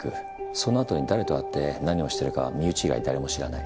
そのあとに誰と会って何をしてるかは身内以外誰も知らない。